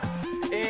え